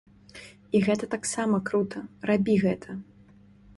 І гэта таксама крута, рабі гэта!